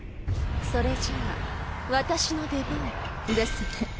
それじゃあ私の出番ですね。